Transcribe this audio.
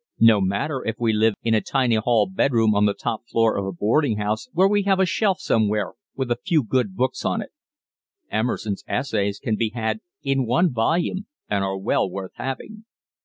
No matter if we live in a tiny hall bedroom on the top floor of a boarding house we have a shelf somewhere with a few good books on it. Emerson's "Essays" can be had in one volume and are well worth having.